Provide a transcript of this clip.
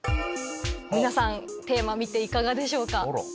皆さんテーマ見ていかがでしょうか？